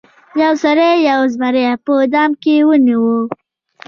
یو سړي یو زمری په دام کې ونیو.